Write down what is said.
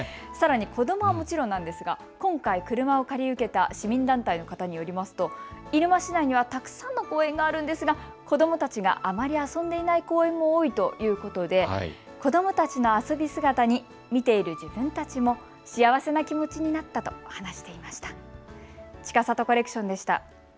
さらに子どもはもちろんですが今回、車を借り受けた市民団体の方によると入間市内にはたくさんの公園があるんですが、子どもたちがあまり遊んでいない公園も多いということで子どもたちの遊ぶ姿に見ている自分たちも幸せな気持ちになったと話していました。